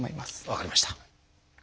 分かりました。